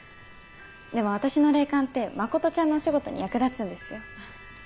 でも私の霊感って真ちゃんのお仕事に役立つんですよ。